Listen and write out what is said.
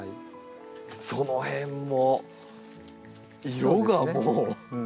その辺も色がもう！